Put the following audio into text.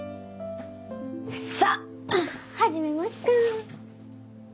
さあ始めますか。